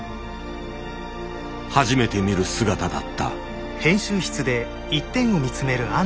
初めて見る姿だった。